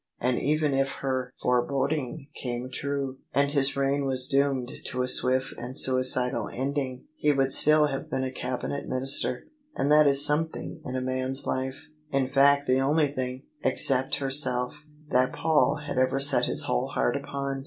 And even if her foreboding came true, and his reign was doomed to a swift and suicidal ending, he would still have been a Cabinet Minister — and that is something in a man's life; in fact the only thing, except herself, that Paul had ever set his whole heart upon.